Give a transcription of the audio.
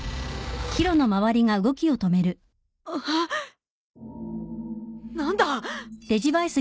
あっ何だ！？